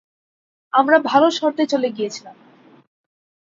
আমরা ভাল শর্তে চলে গিয়েছিলাম।